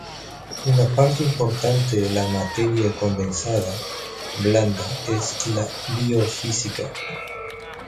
Una parte importante de la materia condensada blanda es la biofísica.